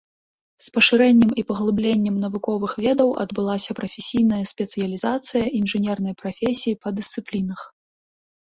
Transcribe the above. З пашырэннем і паглыбленнем навуковых ведаў адбылася прафесійная спецыялізацыя інжынернай прафесіі па дысцыплінах.